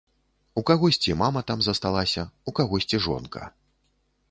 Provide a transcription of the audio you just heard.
У кагосьці мама там засталася, у кагосьці жонка.